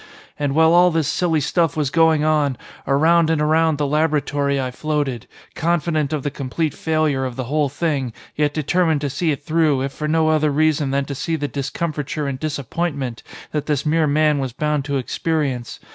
And while all this silly stuff was going on, around and around the laboratory I floated, confident of the complete failure of the whole thing, yet determined to see it through if for no other reason than to see the discomfiture and disappointment that this mere man was bound to experience.